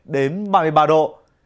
đến ba mươi ba độ